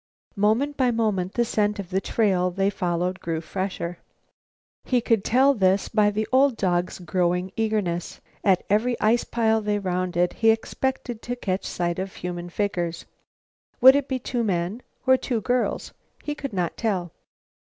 Moment by moment the scent of the trail they followed grew fresher. He could tell this by the old dog's growing eagerness. At every ice pile they rounded, he expected to catch sight of human figures. Would it be two men or two girls? He could not tell.